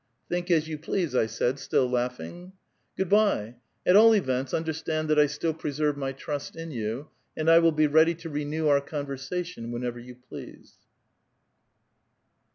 ^^ Think as you please," I said, still laughing. " Good by.^ At all events, understand that I still pre serve my trust in you, and I will be readj* to renew our con versation whenever you please."